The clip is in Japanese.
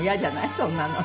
そんなの。